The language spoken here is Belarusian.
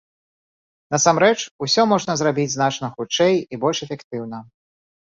Насамрэч, усё можна зрабіць значна хутчэй і больш эфектыўна.